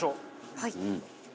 はい。